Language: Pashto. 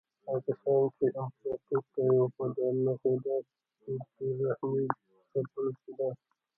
هغه کسان چې امپراتور ته یې وفاداري نه ښوده په بې رحمۍ ځپل کېدل.